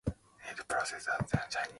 It possesses a saline, mildly tart flavor.